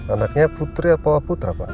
anaknya putri atau putra pak